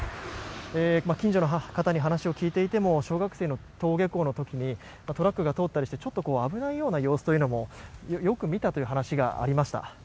近所の方に話を聞いていても小学生の登下校の時にトラックが通ったりしてちょっと危ないような様子というのもよく見たという話がありました。